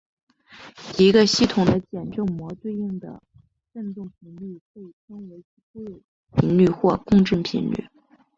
一个系统的简正模对应的振动频率被称为其固有频率或共振频率。